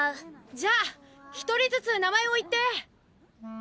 じゃあひとりずつ名前を言って。